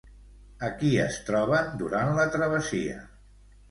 A qui es troben durant la travessia?